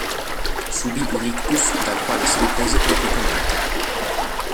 Subì un ictus dal quale si riprese completamente.